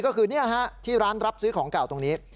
ก็คือที่ร้านรับซื้อของเก่าตรงนี้